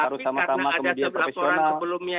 harus sama sama kemudian profesional